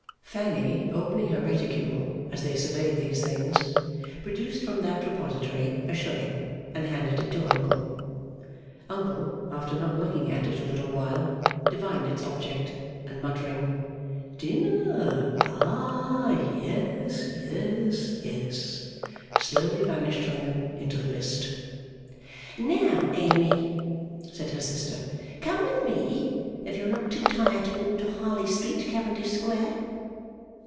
Fanny opening her reticule, as they surveyed these things, produced from that repository a shilling and handed it to Uncle. Uncle, after not looking at it a little while, divined its object, and muttering 'Dinner? Ha! Yes, yes, yes!' slowly vanished from them into the mist. 'Now, Amy,' said her sister, 'come with me, if you are not too tired to walk to Harley Street, Cavendish Square.